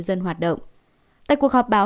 dân hoạt động tại cuộc họp báo